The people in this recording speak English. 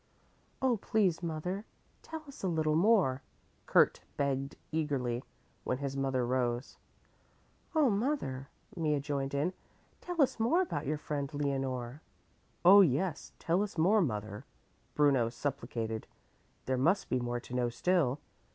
"Oh, please, mother, tell us a little more," Kurt begged eagerly, when his mother rose. "Oh, mother," Mea joined in, "tell us more about your friend, Leonore." "Oh, yes, tell us more, mother," Bruno supplicated. "There must be more to know still.